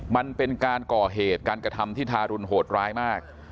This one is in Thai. มันเป็นการก่อเหตุการกระทำที่ทารุณโหดร้ายมาก